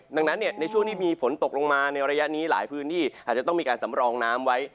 ดังนั้นในช่วงที่มีฝนตกลงมาในระยะนี้หลายพื้นที่อาจจะต้องมีการสำรองน้ำไว้